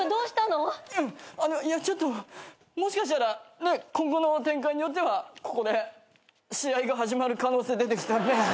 もしかしたら今後の展開によってはここで試合が始まる可能性出てきた。